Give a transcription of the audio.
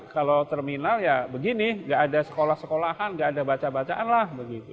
kalau terminal ya begini nggak ada sekolah sekolahan nggak ada baca bacaan lah